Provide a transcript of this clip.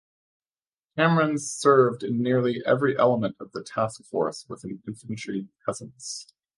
Camerons served in nearly every element of the task force with an infantry presence.